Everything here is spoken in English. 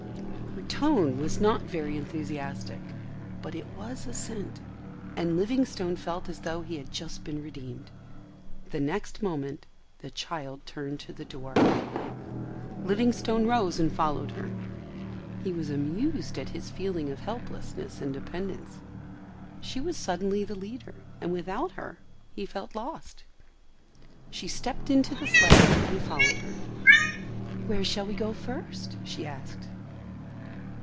Her tone was not very enthusiastic, but it was assent and Livingstone felt as though he had just been redeemed. The next moment the child turned to the door. Livingstone rose and followed her. He was amused at his feeling of helplessness and dependence. She was suddenly the leader and without her he felt lost. She stepped into the sleigh and he followed her. "Where shall we go first?" she asked.